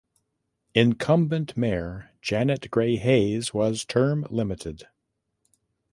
Incumbent mayor Janet Gray Hayes was term limited.